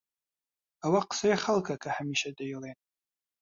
ئەوە قسەی خەڵکە کە هەمیشە دەیڵێن.